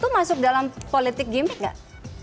itu masuk dalam politik gimmick gak